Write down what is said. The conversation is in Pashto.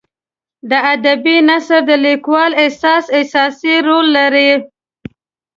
د ادبي نثر د لیکوال احساس اساسي رول لري.